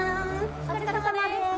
お疲れさまです。